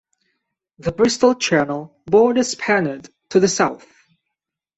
The Bristol Channel borders Pennard to the south.